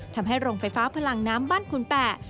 ทำให้โรงไฟฟ้าพลังน้ำบ้านขุนแปะ